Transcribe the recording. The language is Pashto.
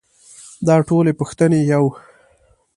دا ټولې پوښتنې يو.